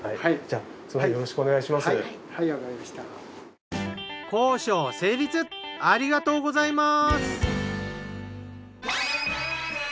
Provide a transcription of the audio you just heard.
ありがとうございます。